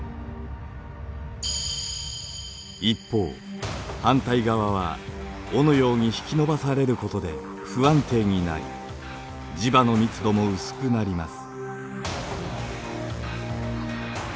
一方反対側は尾のように引き伸ばされることで不安定になり磁場の密度も薄くなります。